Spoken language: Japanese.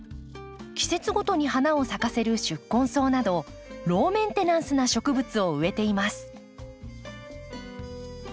季節ごとに花を咲かせる宿根草などローメンテナンスな植物を植えています。